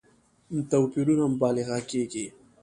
توپيرونو مبالغه کېږي.